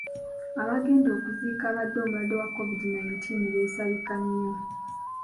Abagenda okuziika abadde omulwadde wa COVID nineteen beesabika nnyo.